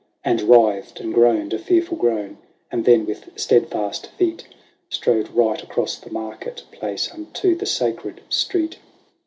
And writhed, and groaned a fearful groan, and then, with steadfast feet. Strode right across the market place unto the Sacred Street.